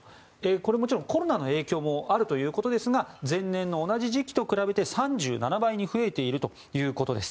これは、もちろんコロナの影響もあるということですが前年の同じ時期と比べて３７倍に増えているということです。